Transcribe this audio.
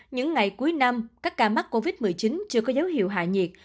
những ngày cuối năm các ca mắc covid một mươi chín chưa có dấu hiệu hạ nhiệt